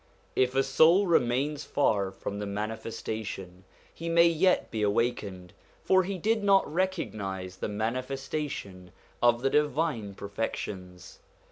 If a soul remains far from the Manifestation, he may yet be awakened ; for he did not recognise the Mani festation of the divine perfections.